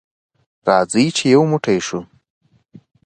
راځئ چې یو موټی شو.